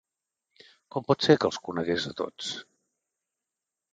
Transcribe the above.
Com pot ser que els conegués a tots?